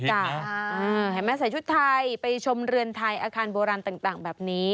เห็นไหมใส่ชุดไทยไปชมเรือนไทยอาคารโบราณต่างแบบนี้